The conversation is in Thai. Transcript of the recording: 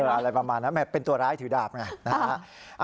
อะไรประมาณนั้นเป็นตัวร้ายถือดาบไงนะฮะ